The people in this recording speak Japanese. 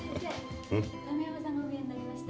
亀山さんがおみえになりました。